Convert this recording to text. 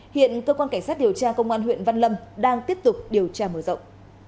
hiện cơ quan cảnh sát điều tra công an huyện văn lâm đang tiếp tục điều tra mở rộng